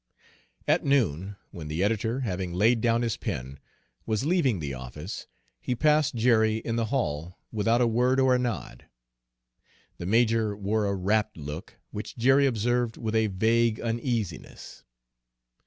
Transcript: At noon, when the editor, having laid down his pen, was leaving the office, he passed Jerry in the hall without a word or a nod. The major wore a rapt look, which Jerry observed with a vague uneasiness.